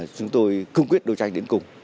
chúng tôi cương quyết đấu tranh đến cùng